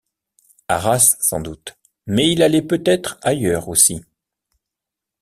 Arras sans doute ; mais il allait peut-être ailleurs aussi.